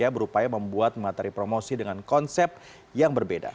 berupaya membuat materi promosi dengan konsep yang berbeda